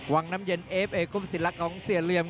วังน้ำเย็นเอฟเอกกุ้มศิลักษ์ของเสียเหลี่ยม